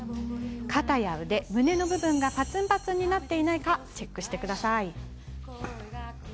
肩や腕、胸の部分がぱつんぱつんになっていないかチェックしてください。